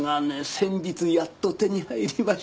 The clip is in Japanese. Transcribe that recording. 先日やっと手に入りましてね